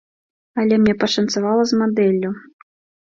Але мне пашанцавала з мадэллю.